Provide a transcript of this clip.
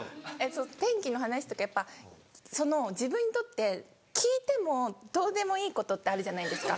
天気の話とかやっぱその自分にとって聞いてもどうでもいいことってあるじゃないですか